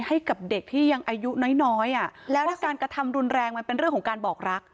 ให้กับเด็กที่ยังอายุน้อยน้อยอ่ะแล้วถ้าการกระทำรุนแรงมันเป็นเรื่องของการบอกรัก